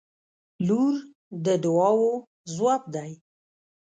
• لور د دعاوو ځواب دی.